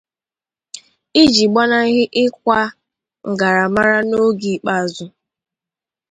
iji gbanahị ịkwa mgaramara n'oge ikpeazụ